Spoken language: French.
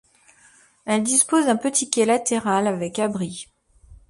Elle dispose d'un petit quai latéral avec abri.